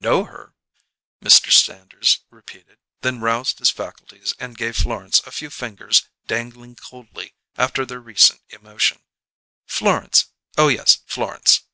"Know her?" Mr. Sanders repeated; then roused his faculties and gave Florence a few fingers dangling coldly after their recent emotion. "Florence. Oh, yes, Florence."